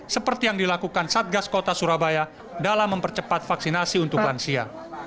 seperti yang dilakukan satgas kota surabaya dalam mempercepat vaksinasi untuk lansia